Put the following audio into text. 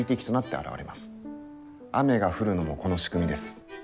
雨が降るのもこの仕組みです。